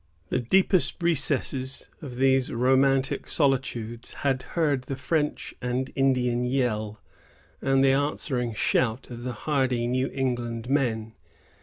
The deepest recesses of these romantic solitudes had heard the French and Indian yell, and the answering shout of the hardy New England men.